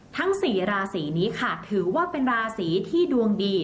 ทั้ง๔ราศีนี้ค่ะถือว่าเป็นราศีที่ดวงดี